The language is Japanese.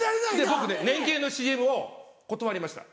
僕ね年契のＣＭを断りました。